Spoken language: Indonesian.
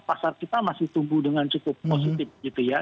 pasar kita masih tumbuh dengan cukup positif gitu ya